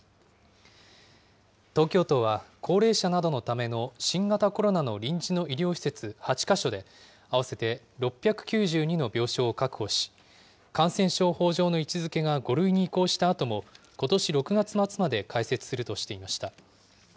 東京都は、高齢者などのための新型コロナの臨時の医療施設８か所で、合わせて６９２の病床を確保し、感染症法上の位置づけが５類に移行したあとも、ことし６月末まで開設するとしていました。